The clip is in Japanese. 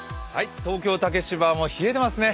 東京・竹芝も冷えてますね。